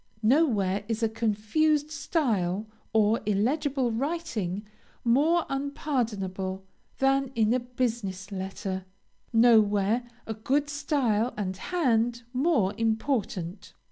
Nowhere is a confused style, or illegible writing, more unpardonable than in a business letter; nowhere a good style and hand more important.